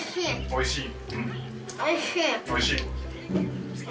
おいしい。